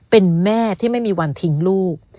เป็นแม่ที่ไม่มีวันทิ้งลูก